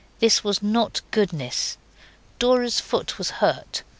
This was not goodness. Dora's foot was hurt.